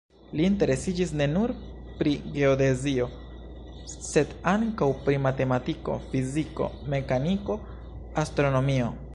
Li interesiĝis ne nur pri geodezio, sed ankaŭ pri matematiko, fiziko, mekaniko, astronomio.